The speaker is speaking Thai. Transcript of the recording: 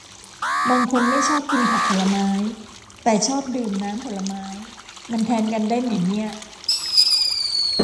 บางคนไม่ชอบกินผักผลไม้ แต่ชอบดื่มน้ำผลไม้ มันแทนกันได้ไหมเนี่ย